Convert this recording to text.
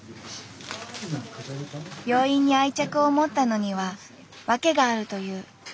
病院に愛着を持ったのには訳があるという。